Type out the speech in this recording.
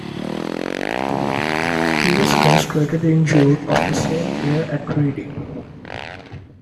He was consecrated in June of that same year at Reading.